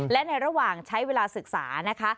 และในระหว่างใช้เวลาศึกษานะคะ